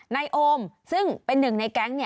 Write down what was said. นายโอมซึ่งเป็นหนึ่งในแก๊ง